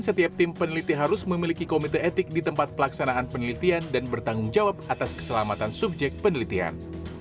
setiap tim peneliti harus memiliki komite etik di tempat pelaksanaan penelitian dan bertanggung jawab atas keselamatan subjek penelitian